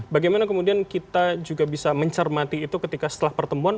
bagaimana kemudian kita juga bisa mencermati itu ketika setelah pertemuan